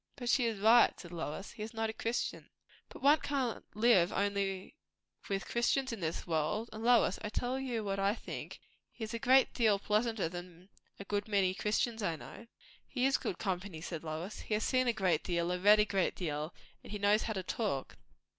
"But she is right," said Lois. "He is not a Christian." "But one can't live only with Christians in this world. And, Lois, I'll tell you what I think; he is a great deal pleasanter than a good many Christians I know." "He is good company," said Lois. "He has seen a great deal and read a great deal, and he knows how to talk.